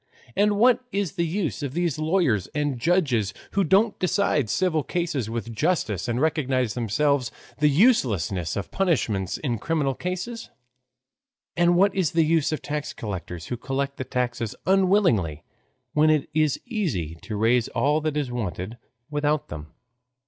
And what is the use of these lawyers and judges who don't decide civil cases with justice and recognize themselves the uselessness of punishments in criminal cases? And what is the use of tax collectors who collect the taxes unwillingly, when it is easy to raise all that is wanted without them?